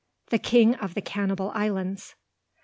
THE KING OF THE CANNIBAL ISLANDS.